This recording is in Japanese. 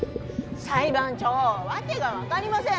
裁判長訳が分かりません。